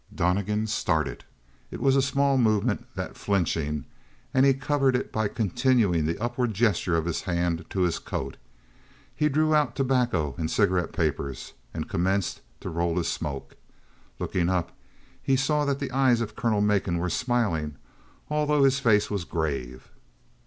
Donnegan started. It was a small movement, that flinching, and he covered it by continuing the upward gesture of his hand to his coat; he drew out tobacco and cigarette papers and commenced to roll his smoke. Looking up, he saw that the eyes of Colonel Macon were smiling, although his face was grave.